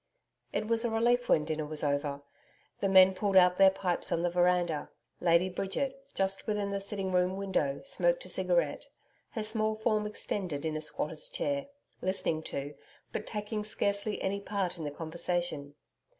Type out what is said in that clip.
It was a relief when dinner was over. The men pulled out their pipes in the veranda. Lady Bridget, just within the sitting room window, smoked a cigarette, her small form extended in a squatter's chair, listening to, but taking scarcely any part in the conversation.